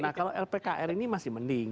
nah kalau lpkr ini masih mending